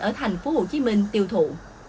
ở thành phố hồ chí minh tiêu thụ